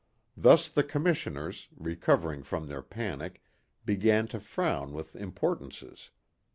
Thus the commissioners, recovering from their panic, began to frown with importances.